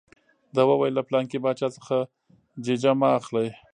ده وویل له پلانکي باچا څخه ججه مه اخلئ.